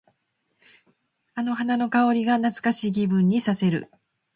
あの花の香りが懐かしい気分にさせる。